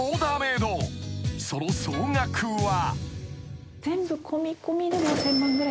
［その総額は］